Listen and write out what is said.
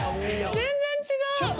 全然違う！